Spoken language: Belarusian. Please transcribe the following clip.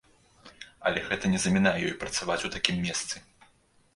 Але гэта не замінае ёй працаваць у такім месцы!